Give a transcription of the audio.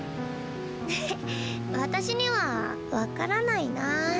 えへっ私には分からないなあ。